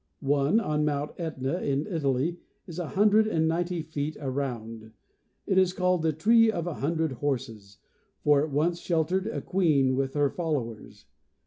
One on Mount Etna, in Italy, is a hun dred and ninety feet around. It is called the " Tree of a Hundred Horses," for it once sheltered a queen with her followers.